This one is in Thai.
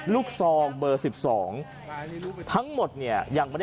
ลูกซองเบอร์๑๒ทั้งหมดเนี่ย